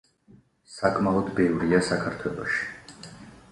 საკმაოდ ბევრია საქართველოში.